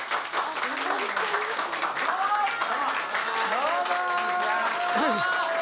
どうも。